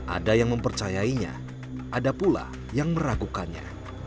ada yang mempercayainya ada pula yang meragukannya